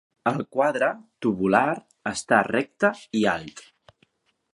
El quadre, tubular, restà recte i alt.